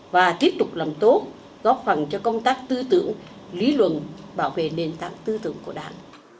và tiếp tục làm tốt góp phần cho công tác tư tưởng lý luận bảo vệ nền tảng tư tưởng của đảng